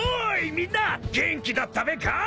みんな元気だったべか！？